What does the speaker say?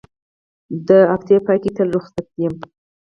د اونۍ پای کې تل روخصت یم